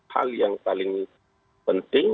hal yang paling penting